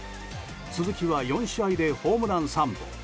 鈴木は４試合でホームラン３本。